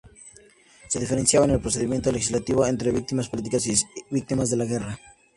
Se diferenciaba en el procedimiento legislativo entre víctimas políticos y víctimas de la guerra.